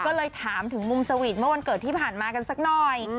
ก็เลยถามถึงมุมสวีทเมื่อวันเกิดที่ผ่านมากันสักหน่อย